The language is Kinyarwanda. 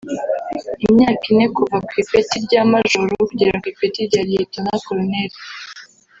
imyaka ine kuva ku ipeti rya Majoro kugera ipeti rya Liyetona Koloneli